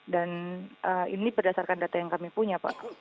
dan ini berdasarkan data yang kami punya pak